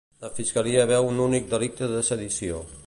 La Fiscalia veu un únic delicte de sedició.